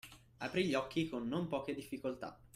Aprì gli occhi con non poche difficoltà.